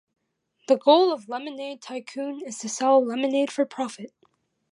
The goal of Lemonade Tycoon is to sell lemonade for profit.